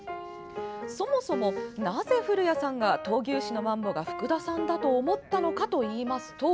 そもそも、なぜ古谷さんが闘牛士のマンボが福田さんだと思ったのかといいますと。